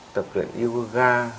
tập luyện yoga